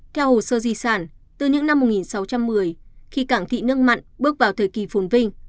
theo hồ sơ di sản từ những năm một nghìn sáu trăm một mươi khi cảng thị nước mặn bước vào thời kỳ phồn vinh